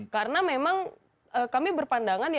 karena memang kami berpandangan